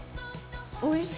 おいしい。